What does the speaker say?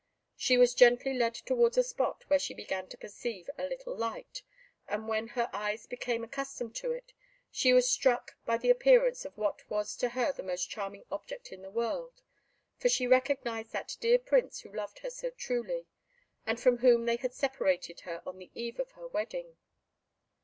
She was gently led towards a spot where she began to perceive a little light, and when her eyes became accustomed to it, she was struck by the appearance of what was to her the most charming object in the world, for she recognised that dear Prince who loved her so truly, and from whom they had separated her on the eve of her wedding.